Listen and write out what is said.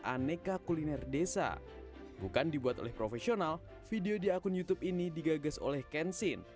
aneka kuliner desa bukan dibuat oleh profesional video di akun youtube ini digagas oleh kensin